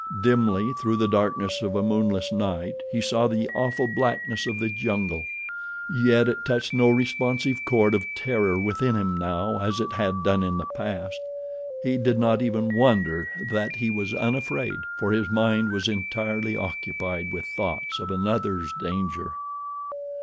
Dimly through the darkness of a moonless night he saw the awful blackness of the jungle, yet it touched no responsive chord of terror within him now as it had done in the past. He did not even wonder that he was unafraid, for his mind was entirely occupied with thoughts of another's danger.